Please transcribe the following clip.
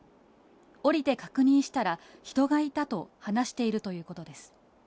降りて確認したら、人がいたと話しているということです。